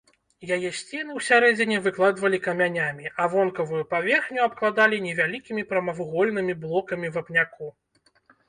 Яе сцены ў сярэдзіне выкладвалі камянямі, а вонкавую паверхню абкладалі невялікімі прамавугольнымі блокамі вапняку.